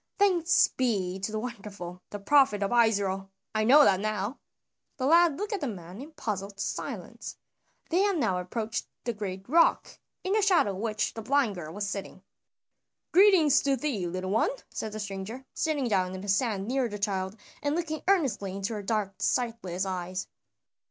Thanks be to the Wonderful, the Prophet of Israel, I know that now!" The lad looked at the man in puzzled silence. They had now approached the great rock, in the shadow of which the blind girl was sitting. "Greetings to thee, little one!" said the stranger, sitting down in the sand near the child and looking earnestly into her dark sightless eyes.